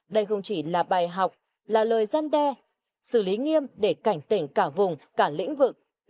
đây không chỉ là bài học là lời gian đe xử lý nghiêm để cảnh tỉnh cả vùng cả lĩnh vực